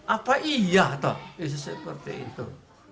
apa iya tuh isis seperti ini